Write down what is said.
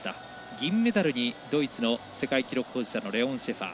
銀メダルにドイツの世界記録保持者のレオン・シェファー。